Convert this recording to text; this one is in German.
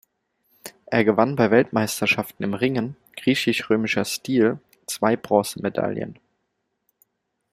Er gewann bei Weltmeisterschaften im Ringen, griechisch-römischer Stil, zwei Bronzemedaillen.